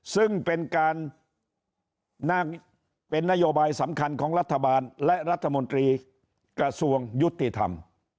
ซึ่งเป็นการนั่งเป็นนโยบายสำคัญของรัฐบาลและรัฐมนตรีกระทรวงยุติธรรม